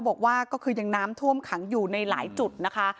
บอกว่าก็คือยังน้ำท่วมขังอยู่ในหลายจุดนะคะ